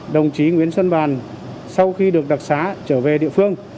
đồng chí nguyễn xuân bàn sau khi được đặc xá trở về địa phương